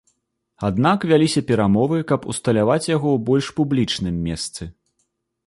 Аднак вяліся перамовы, каб усталяваць яго ў больш публічным месцы.